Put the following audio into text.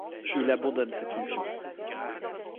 Il abandonne cette fonction.